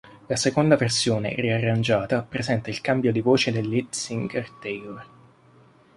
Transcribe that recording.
La seconda versione, riarrangiata, presenta il cambio di voce del lead singer Taylor.